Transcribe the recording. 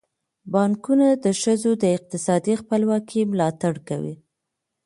بانکونه د ښځو د اقتصادي خپلواکۍ ملاتړ کوي.